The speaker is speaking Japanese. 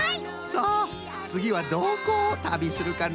さあつぎはどこを旅するかのう。